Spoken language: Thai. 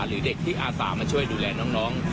หรือเด็กที่อาสามาช่วยดูแลน้อง